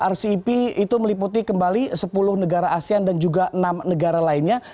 rcep itu meliputi kembali sepuluh negara asean dan juga enam negara lainnya